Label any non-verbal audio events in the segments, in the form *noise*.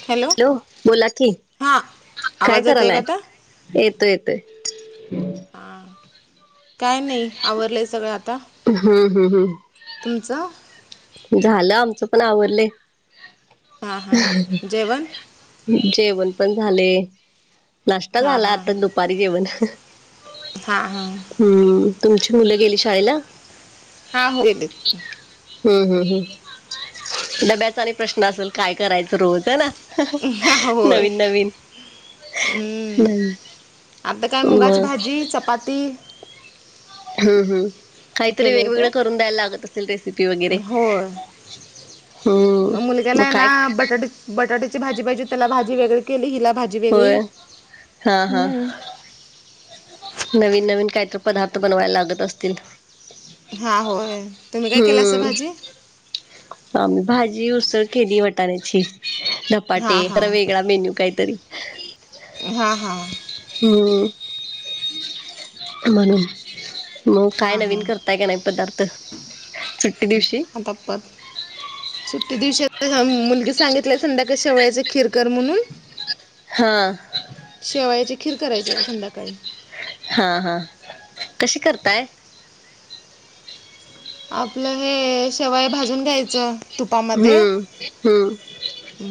Hello बोला कि हां काय आवाज येत आहे का करायलाय आता येतोय येतोय हा काय नाही आवरलेय सगळं आता हम्म हम्म हम्म तुमचं झालं आमचं पण आवडले हां हां जेवण जेवण पण झाले नाश्ता झाला आता दुपारी जेवण हा हा हम्म तुमची मुलं गेली शाळेला हा होल हम्म हम्म हम् डब्याचा आणि प्रश्न असेल काय करायचं रोत ना होय नवीन नवीन हम्म आता काय मुगाची मग भाजी चपाती हम् हम काहीतरी केले होते वेगवेगळं करून द्यायला लागत असेल रेसिपी वगैरे होय हम्म मुलग्याला मग आहे ना काय ख बटाटे बटाट्याची भाजी पाहिजे त्याला भाजी वेगळे केली हिला भाजी वेगळी होय हा हा हम्म नवीन नवीन काहीतरी पदार्थ बनवायला लागत असतील हा होय तुम्ही काय केलं अस भाजी आ मी भाजी उसळ केली वटाण्याची हां पाटे ह वेगळा मेन्यू काहीतरी हा हा हम्म म्हणून मग काय हां नवीन हां करताय का नाही पदार्थ सुट्टी दिवशी आतापत सुट्टी दिवशी मुलगी सांगितल्या संध्याकाळी श वळ्याचे खिरकर म्हणून हा शेवायाची खीर करायची होता संध्याकाळी हा हा कशी करताय आपलं हे शेवाय भाजून घ्यायचं तुपामध्ये हम् हम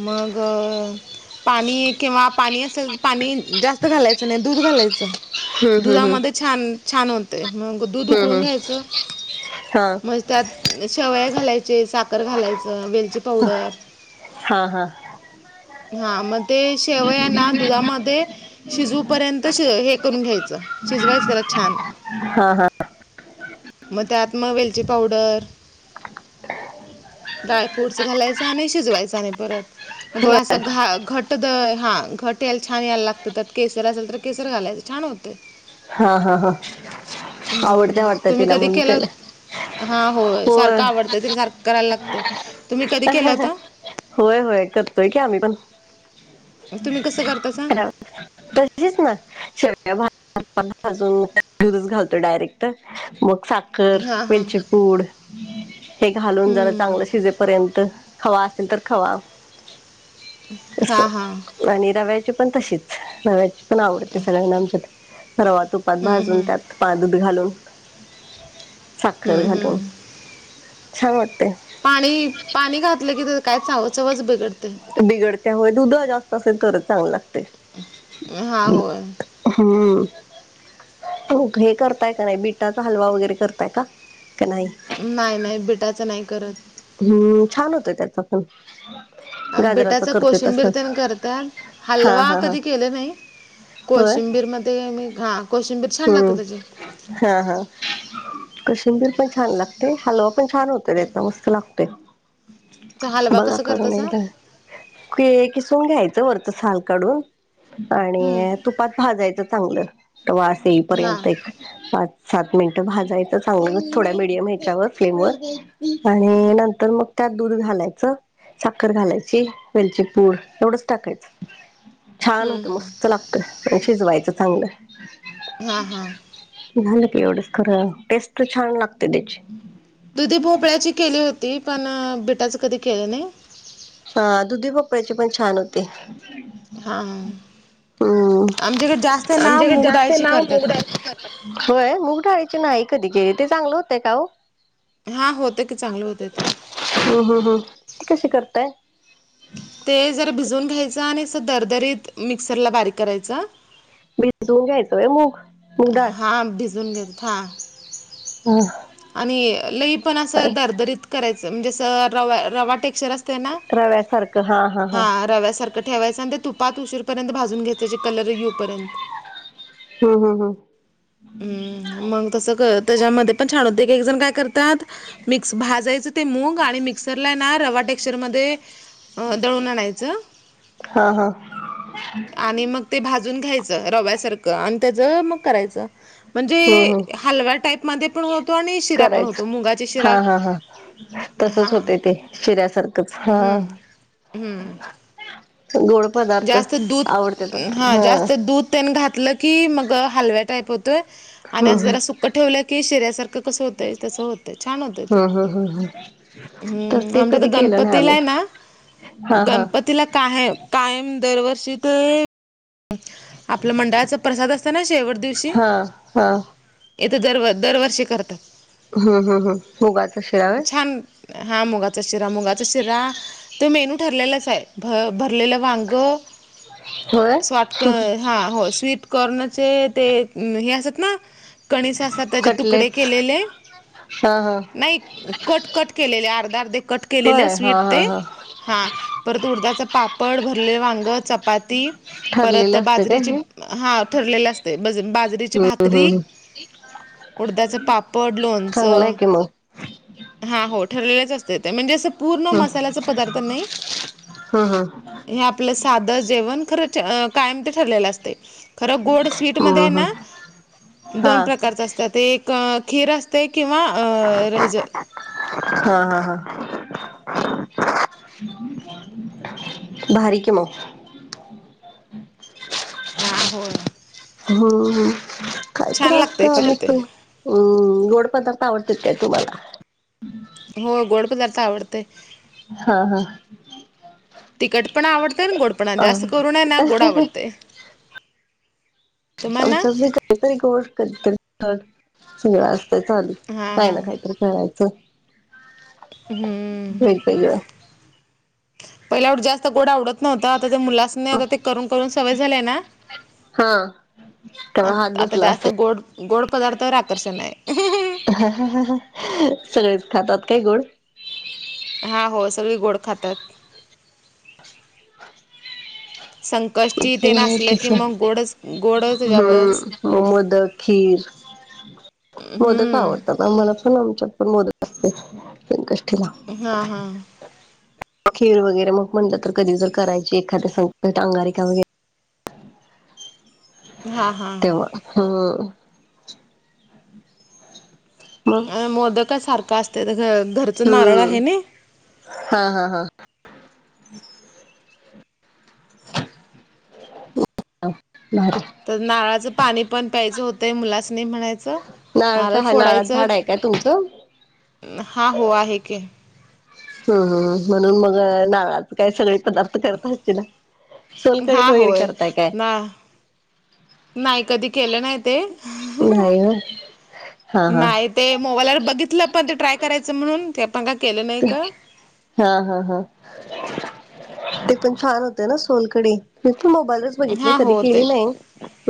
मग पाणी किंवा पाणी असेल तर पाणी जास्त घालायचं त्या दूध घालायचं हम्म हम्म हम्म दुधामध्ये छान छान होते मग दूध हम्म उकळून हम्म घ्यायचं हा म्हणजे त्यात शेवया घालायचे साखर घालायचं वेलची पावडर हा हा हा मग ते शेव आहे ना दुधामध्ये शिजवू पर्यंत हे करून घ्यायचं शिजवायचं त्याला छान हा हां मग त्या आतमा वेलची पावडर ड्राय फ्रूटस घालायचा आणि शिजवायचचा आणि *unintelligible* मग त्याला होय अस घा घट हा घट यायला छान यायला लागत त्या केसर असेल तर केसर घालायचं छान होते हा हा हा आवडत्या वाटत तिला मुनकल हा हो सारखं आवडतंय तरी सारखं करायला लागतंय तुम्ही कधी केलं होता होय होय करतोय की आम्ही पण तुम्ही कसं करतासा तशीच ना श अजूनरस घालतो डायरेक्ट मग हां हां वेलचीपूड हे घालून जरा हम्म, चांगलं शिज पर्यंत खावा असेल तर खवा हा हा असं आणि रव्याची पण तशीच रव्याची पण आवडते सगळ्यांना आमच्यात रव तू पानत हम्म भाजून हम्म त्यात पाक घालून साखर हम्म घालून हम्म. छान वाटते पाणी पाणी घातलं की काय चांव चवज बिघडते बिघडत्या हो उध जास्त असेल तरच चांग लागते हां होय हा हो हे करताय का नाही बिटाचा हलवा वगैरे करताय का का नाही नाही नाही बिटाचं नाही करत हम्म छान होतय त्याचा पण गाजराचा बिटाच करतोय तसच कोशिंबीरतेन करत हा हलवा हा हा कधी केले नाही होय कोशिंबीर मध्ये मी घा हम्म हा हा कशंबीर पण छान लागत ते हलवा पण छान होत त्याचा मस्त लागतेय तर हलवा बघा कसं करून करतासा एकदा किसून घ्यायचं वरत साल काढून हम्म. आणि तू ात भाजायचं चांगलं तर वा असे हां येईपर्यंत एक पाच सात मिनिटं भाजायचं चांगलं थोड्या मीडियम ह्याच्यावर फ्लेम व आणि नंतर मग त्यात दूध घालायचं साखर घालायची वेलची पूड एवढच टाकायचं छान हम्म होत हम्म. मस्त लागत शिजवायचं चांगलं हा हा झा एवढच ख टेस्ट छान लागते त्याची दुधी भोपळ्याची केली होती पण बिटाचं कधी केलं नाही हा दुधी पपड्याचे पण छान होते हा हम्म आमच्याकडे जास्त नाव आमच्याकडे जास्त मुगडाळची नाव करतात मुगडाळीची होय मग ढायचे नाही कधी घरी ते चांगलं होतय का हो हां होते की चांगलं होते ते हो ह ह ते कसे करत काय ते जरा भिजवून घ्यायचं आणि असं दरदरीत मिक्सरला बारीक करायचं भिजून घ्यायचोय मग हा भिजून घेत हां हा आणि लई पण असं दरदरीत करायचं म्हणजे रवा रवा टेक्सर अस हा रव्यासारख ते ठेवायचं आणि ते तुपात उशीरपर्यंत भाजून घ्यायचे कलर येऊपर्यंत हम हम हं हम्म मग तस क त्याच्यामध्ये पण छान होते एक जण काय करतात मिक्स भाजायचं, ते मूग आणि मिक्सर ला ना रवा टेक्चर मध्ये अ दळून आणायचं. हा हा आणि मग ते भाजून घ्यायचं, रव्यासारखं आणि त्याच मग करायचं. म्हणजे हम्म हम्म हलव्या टाईपमध्ये पण, होतो आणि शिरा पण होतो करायचं मुंगाची शिरा हा हा हा तसच हा होतय ते शिऱ्यासारखंच हा. हम्म हम्म गोड पदार्थ जास्त आवडतेत ह. तेन घातलं की, मग हलव्या टाईप होतोय आणि हम्म अस हम्म जरा सुकं ठेवलं, की शिऱ्यासारख ते कसं होतंय? तसं होतंय छान होतंय ते हम्म हम्म हम्म हम्म तर हम्म ते आमच्या इथ कधी केलं नाही गणपतीला आम्ही हाय ना हा हा गणपतीला कायम कायम दरवर्षी ते आपलं मंडळाचा प्रसाद असतय, ना शेवट दिवशी हा हा इथ दर दरवर्षी करतात. हू हू हम मुगाचा शिरा होय. छान हा मुगाचा शिरा, मुगाचा शिरा तो मेनू ठरलेलाच हाय. भ भरलेलं वांग. होय स्वाट क हा हो स्वीटकॉर्नचे ते हे असतेत ना कणीस असात त्याचे तुकडे कटलेट्स केलेले, हा हा नाही कट कट केलेलं, आरद आरद कट केलेलं, होय हा स्वीट हा ते हा हां. परत उडदाचं पापड, भरले वांगं, चपाती परत ठरलेलं असतं काय बाजरीचे हे भा हा ठरलेले असतय, बाजरीची हम्म भाकरी हम्म उडदाच पापड, चांगलं आहे लोणचं की मग हा हो ठरलेलच असतय, ते म्हणजे असं पूर्ण हम्म मसाल्याच पदार्थ नाही हम्म हे आपलं साधं जेवण खर, कायम ते ठरलेलं असतय. खरं गोड स्वीटमध्ये हम्म आहे ना हम्म हा दोन प्रकारचं असतं ते एक क खीर असते किंवा रहिज हा हा हा. भारी कि, मग हा होय. हू हू काय छान तर असतय लागतय खरं आणि ते पण हुं गोड पदार्थ आवडतील काय तुम्हाला? हो गोड पदार्थ आवडतय. हा हा. तिकट पण आवडतंय अन् गोड पण आणि आम जास्त करून ना गोड आवडतय. आमच्यात बी कधीतरी गोड कधीतरी तिखट सगळ असतय, चालूच हा काही हा ना काहीतरी करायचं. हम्म वेगवेगळं पहिला एवढं जास्त गोड आवडत नव्हंत आता त्या मुलांसनी आता ते करून करून सवय झालीय ना हा. त्यामुळे आत हात आता बसला जास्त असेल गोड गोड पदार्थावर आकर्षण हाय *unintelligible* सगळेच खातात काय गोड? हा होय सगळे गोड खातात. हुं संकष्टी ते नासले की हम् मग गोडच मोदक, गोड त्याच्यावरच खीर ह *unintelligible* हुं. हा आवडत, आम्हाला पण आमच्यात पण मोदक असतय हा हा. खीर वगैरे मग म्हणलं, तर कधी जर करायची एखाद्या संकट अंगारिका वगेरे हा. हा तेव्हा हा. मग मोदक काय सारखं असत्यात घ घरच नारळ हम्म आहे नई हा हा हा. *unintelligible* तर नारळाचं पाणी पण प्यायचं होतंय मुलांसनी म्हणायचं नाळ नारळ काय हा नाळात फोडायचं झाड आहे काय तुमचं हा हो आहे की हम ह म्हणून मग नारळाच काय सगळी पदार्थ करत असशिला सोलकढी हा वगैरे होय करताय काय ना नाही कधी केलं नाही ते नाही होय हा हा. नाहीत ते मोबाईलवर बघितलं पण ते ट्राय करायचं म्हणून ते पण काय केलं नाही क हा हा हा ते पण छान होते ना सोलकढी मी पण मोबाईलवर बघितले हा कधी हो ते केली नाही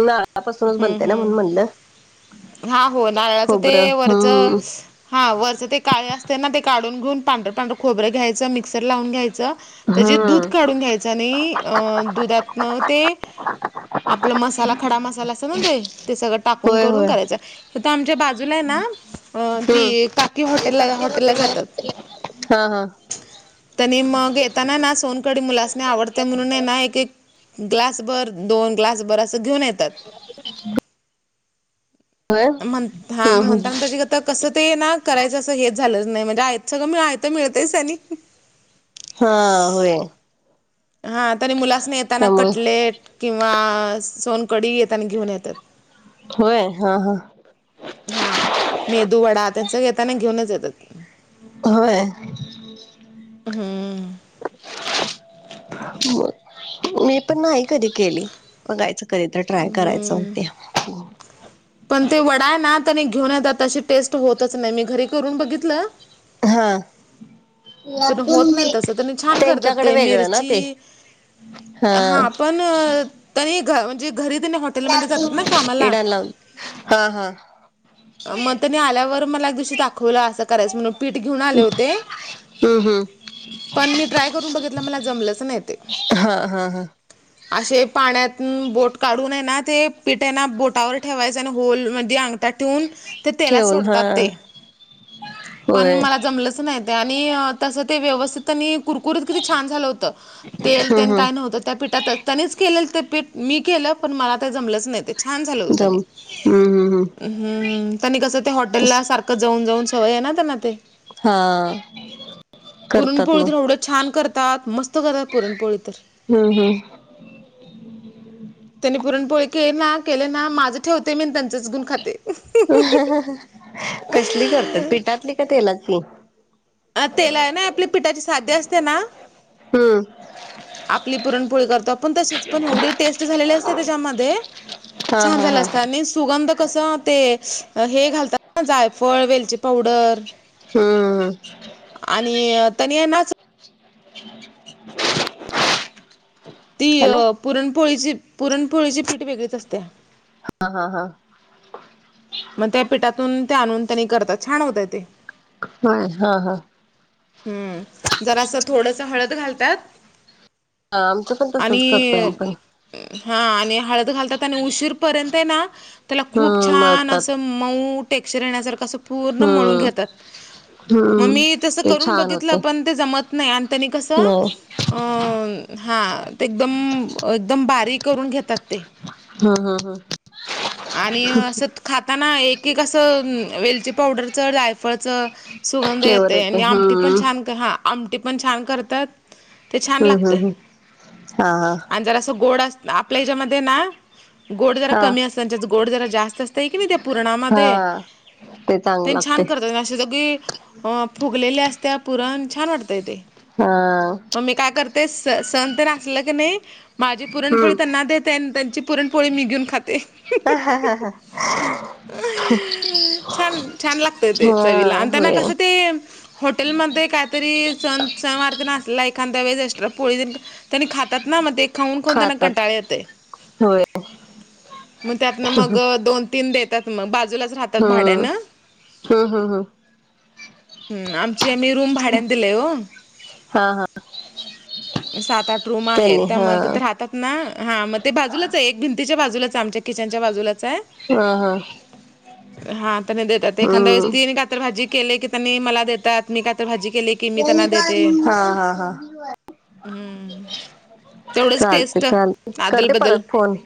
नारळापासूनच हम्म बनते ना हम्म म्हणून म्हणलं हा हो नारळाचं खोबरं ते वरच हम्म हा वरचं ते काळे असते ना ते काढून घेऊन पांढर पांढर खोबरं घ्यायचं मिक्सर लावून घ्यायचं त्याची दूध हम्म काढून घ्यायच आणि अ दुधातन ते आपला मसाला खडा मसाला असत ना ते ते सगळं टाकून होय करून होय करायचं इथं आमच्या बाजूला आहे ना अ हम्म. ती काकी हॉटेल हॉटेलला जातात हा हा त्यांनी मग येताना ना सोनकढी मुलांसनी आवडते म्हणून हाय ना एक एक ग्लासभर दोन ग्लासभर असं घेऊन येतात होय हम्म मंत हा हम्म म्हणताना त्यांचीगत तर कसं ते ना करायचं असं हेच झालंच नाही म्हणजे आयंत सगळं आयंत मिळतयचं आणि हा होय हा तरी मुलांसनी येताना त्यामुळे कटलेट किंवा सोनकढी येताना घेऊन येतात होय हा हा हा मेदू वडा त्यांच येताना घेऊनच येतात होय हम्म मग मी पण नाही कधी केली बघायचं कधी तर ट्राय करायचं होत्या पण ते वडाय ना आणि घेऊन येतात तशी टेस्ट होतच नाही मी घरी करून बघितलं हां पण होत नाही तसं त्यांनी *unintelligible* छान त्यांच्याकडे वेगळं ना ते हा पण तेनी म्हणजे घरी तिनी हॉ - टेलमध्ये जातात ना कामाला इडान लावून हा हा. मग तेनी आल्यावर मला एक दिवशी दाखवलं असं करायचं म्हणून पीठ घेऊन आले होते हम हम पण मी ट्राय करून बघितलं मला जमलंच नाही ते हा हा हा असे पाण्यातन बोट काढून आहे ना ते पिठ आहे ना बोटावर ठेवायचं आहे ना होलमध्ये अंग त्यात ठेूऊन ते तेलात ठेवून हा. सोडतात ते पण होय मला जमलच नाहीऽ ते आणिऽ तसं ते व्यवस्थित आणि कुरकुरीत किती छान झालं होतंऽऽ तेल हम्म तेन काय हम्म नव्हतं, त्या पिठातचऽ त्यांनीच केलेलं ते पीठ, मी केलं, पण मला ते जमलंच नाही ते छान झालं होत त्यांनी जम हम्म हम्म हम्म हम् त्यांनी कसं ते तस हॉटेलला सारखं जाऊन जाऊन सवय आहे ना त्यांना ते - हां पुरणपोळी तर एवढं छान करतात मस्त करतात पुरणपोळी तर हम्म - हम्म त्यांनी पुरणपोळी केली ना, केले ना माझं ठेवते मी आनी त्यांच *unintelligible* कसली करतात पिठातली का तेलातली? अ तेला आहे ना, आपल्या पिठाची साध्य असते ना हम्म आपली पुरणपोळी करतो आपण तशीच, पण एवढी टेस्ट झालेली असते त्याच्यामध्ये हा छान हा झालं हा असतं, आणि सुगंध कस ते हे घालतात ना, जायफळ, वेलची पावडर हम्म आणि तेनी हाय ना *inaudible* ती हॅलो अं पुरणपोळीची पुरणपोळीची पीठ वेगळीच असत्या हा, हा, हा मग त्या पिठातून ते आणून त्यांनी करतात, छान होतय तेऽ. वय, हा, हा, हम्म, जरास थोडस हळद घालतातऽ हा आमचं पण तसच करतोय आमी पण. हा, आणि हळद घालतात आणि उशीर पर्यंत ना त्याला खूप हम्म छान मळतात असंऽऽ मऊ टेक्चर एन्यासारख अस पूर्ण मळून हम्म घेतात, मग हम्म मी तस् ते रून छान बघितलं, होते पण ते जमत नाही,, त्यांनी कसऽऽ नाही अ, हां,, ते एकदम, एकदम बारीक करून घेतात तेऽऽ हा, हा, हा आणि ऽअसं खाताना एक, एक असं वेलची पावडरचं, जायफळचं,, सुगंध फ्लेवर येतय,, येते आणि आमटी पण हम्म छान,, हां, आमटी पण छान करतातऽऽ हम्, हम, हम आणि जर अस गोड, आपल्या ह्याच्यामध्ये ना गोड जरा हा हा कमी असऽऽ त्यांच्यात गोड जरा जास्त असतय की नाही त्या पुरणामध्ये हा ते चांगलं तेन लागते छान करत्यात, अस सगळं, अ फुगलेले असत पुरण, छान वाटतय ते. हां, मग मी काय करते, स सण तन आसल क नाही माझी पुरणपोळी हम्म त्यांना देते, आणी त्यांचीऽऽ पुरण पोळी मी घेऊन खाते. ह, हा, हा, हा छान,, छान लागतय ते,, चवीला आणि त्यांना होय कसं तेऽऽ हॉटेलमध्ये काहीतरी सण, सनवार् आसला एखादा वेळी एक्स्ट्रा पोळीऽऽ त्यांनी खातात ना, मग ते खाऊन, खाऊन त्यांना खातात कंटाळ येतयऽ होय. मग त्यातन मग दोन, तीन, देतात मग बाजूलाऽऽ राहतात भाड्या हम्म नंऽ हम्म हम्म हम्म ह,, आमचे आम्ही रूम भाड्यान दिलय ओऽ हा, हा, सात, आठ, रूम आहे, त्यांनी हा त्यामुळे तीत राहतात ना, हा मग ते बाजूलाच आहे, एक भिंतीच्या बाजूलाच आहे, आमच्या किचनच्या बाजूलाच आहे,, हा हा हां, तर नाही देतात एखादा्या वेळीच हम्म तीनऽऽ तर भाजी केले की त्यांनी मला देतात, मी कायतर भाजी केलीऽऽ कि मी त्यांना देते, हा हा हा हम्म तेवढच चालते टेस्ट, चालते करते आदलबदल परत फोन